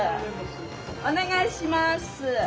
お願いします。